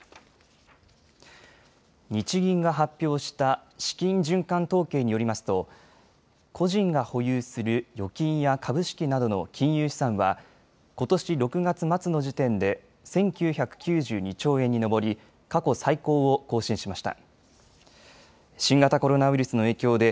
日銀が発表した資金循環統計によりますと個人が保有する預金や株式などの金融資産はことし６月末の時点で１９９２兆円に上り過去最高を更新しました。